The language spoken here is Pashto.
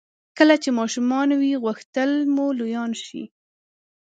کله چې ماشومان وئ غوښتل مو لویان شئ.